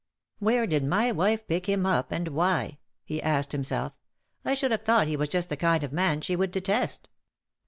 "Where did my wife pick him up, and why?^' he asked himself. ^' I should have thought he was just the kind of man she would detest.